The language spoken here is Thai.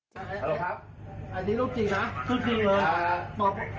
สวัสดีครับอันนี้รูปจริงนะรูปจริงเลยอ่าปกติพี่พี่พี่